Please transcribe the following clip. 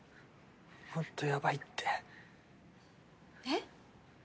本当やばいってえっ？